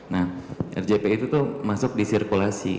nah rgp itu masuk di sirkulasi